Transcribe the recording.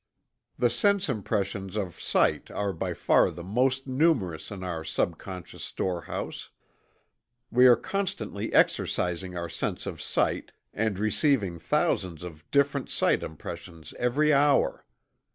The sense impressions of sight are by far the most numerous in our subconscious storehouse. We are constantly exercising our sense of sight, and receiving thousands of different sight impressions every hour.